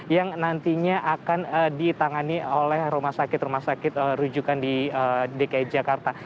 yang nantinya akan ditangani oleh rumah sakit rumah sakit rujukan di dki jakarta